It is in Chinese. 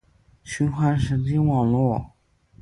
循环神经网络